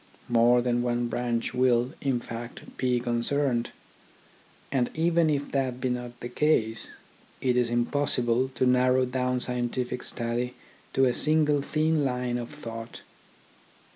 More than one branch will, in fact, be concerned ; and even if that be not the case, it is impossible to narrow down scientific study to a single thin line of thought.